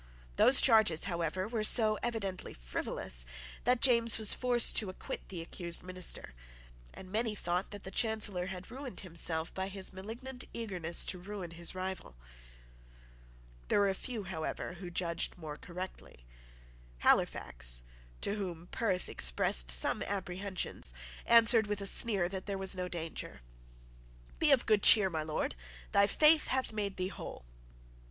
Those charges, however, were so evidently frivolous that James was forced to acquit the accused minister; and many thought that the Chancellor had ruined himself by his malignant eagerness to ruin his rival. There were a few, however, who judged more correctly. Halifax, to whom Perth expressed some apprehensions, answered with a sneer that there was no danger. "Be of good cheer, my Lord; thy faith hath made thee whole."